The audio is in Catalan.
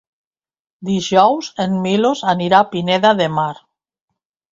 Dijous en Milos anirà a Pineda de Mar.